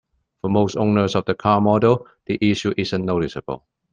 For most owners of the car model, the issue isn't noticeable.